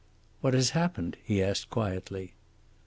"What has happened?" he asked quietly.